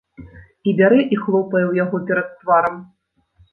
І бярэ і хлопае ў яго перад тварам.